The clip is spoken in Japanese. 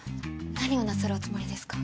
何をなさるおつもりですか？